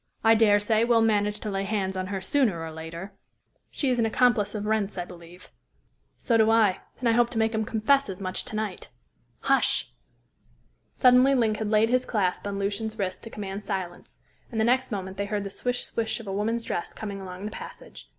I dare say we'll manage to lay hands on her sooner or later." "She is an accomplice of Wrent's, I believe." "So do I, and I hope to make him confess as much to night. Hush!" Suddenly Link had laid his clasp on Lucian's wrist to command silence, and the next moment they heard the swish swish of a woman's dress coming along the passage.